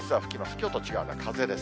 きょうと違うのは風です。